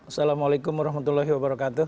assalamualaikum warahmatullahi wabarakatuh